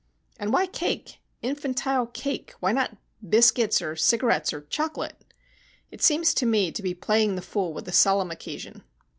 And why cake infantile cake? Why not biscuits, or cigarettes, or chocolate? It seems to me to be playing the fool with a solemn occasion."